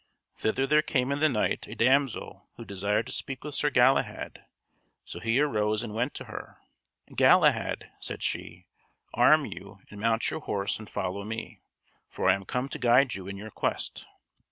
Thither there came in the night a damsel who desired to speak with Sir Galahad; so he arose and went to her. "Galahad," said she, "arm you and mount your horse and follow me, for I am come to guide you in your quest."